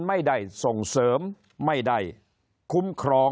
ไม่ได้ส่งเสริมไม่ได้คุ้มครอง